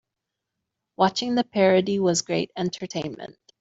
Watching the parody was great entertainment.